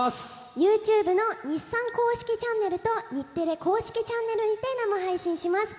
ユーチューブの日産公式チャンネルと日テレ公式チャンネルにて生配信します。